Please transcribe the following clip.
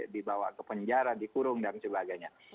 dibawa ke penjara dikulit